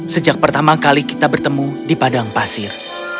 sejak pertama kali kita bertemu di padang pasir